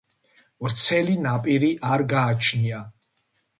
ვრცელი ნაპირი არ გააჩნია.